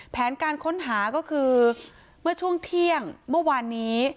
แผนการค้นหาก็คือเมื่อช่วงเที่ยงเมื่อวานนี้